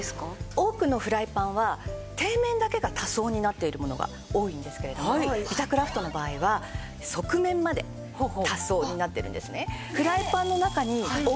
多くのフライパンは底面だけが多層になっているものが多いんですけれどもビタクラフトの場合は側面まで多層になってるんですね。